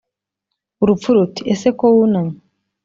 urupfu ruti:" ese ko wunamye